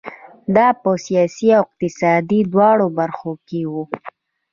دا په سیاسي او اقتصادي دواړو برخو کې وو.